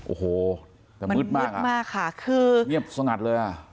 โอ้โหแต่มืดมากมืดมากค่ะคือเงียบสงัดเลยอ่ะ